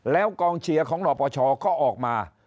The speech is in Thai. แล้วกองเชียร์ของหนปชก็ออกมา